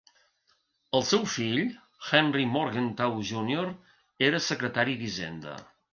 El seu fill Henry Morgenthau Junior era secretari d'Hisenda.